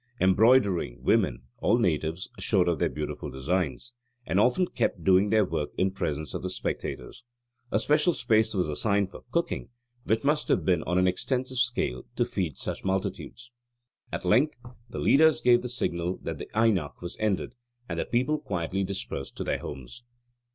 Embroidering women all natives showed off their beautiful designs, and often kept doing their work in presence of the spectators. A special space was assigned for cooking, which must have been on an extensive scale to feed such multitudes. At length the leaders gave the signal that the aenach was ended; and the people quietly dispersed to their homes.